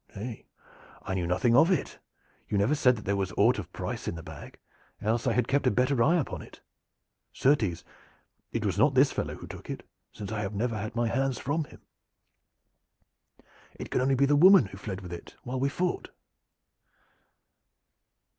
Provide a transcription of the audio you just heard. "Nay, I know nothing of it. You never said that there was aught of price in the bag, else had I kept a better eye upon it. Certes! it was not this fellow who took it, since I have never had my hands from him. It can only be the woman who fled with it while we fought."